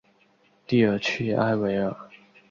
蒂尔屈埃维尔。